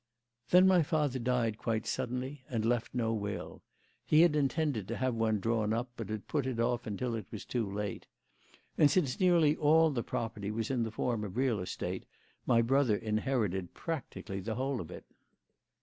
"Then my father died quite suddenly, and left no will. He had intended to have one drawn up, but had put it off until it was too late. And since nearly all the property was in the form of real estate, my brother inherited practically the whole of it.